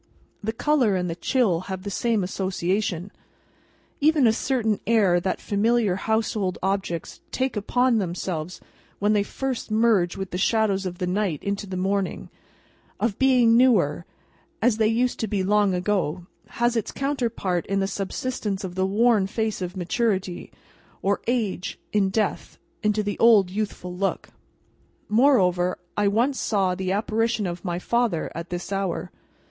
The colour and the chill have the same association. Even a certain air that familiar household objects take upon them when they first emerge from the shadows of the night into the morning, of being newer, and as they used to be long ago, has its counterpart in the subsidence of the worn face of maturity or age, in death, into the old youthful look. Moreover, I once saw the apparition of my father, at this hour.